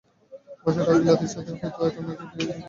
ভাষাটা ওকালতি ছাঁদের– হয়তো বা অ্যাটর্নিকে দিয়ে লিখিয়ে নিয়েছে।